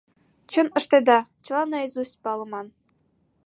— Чын ыштеда, чыла наизусть палыман.